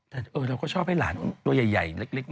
แต่เราก็ชอบให้หลานตัวใหญ่เล็ก